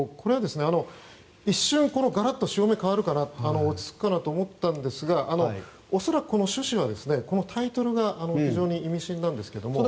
一瞬、ガラッと潮目が変わるかなと落ち着くかなと思ったんですが恐らく、この趣旨はタイトルが意味深なんですが。